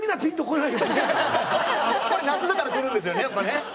これ夏だからくるんですよねやっぱね。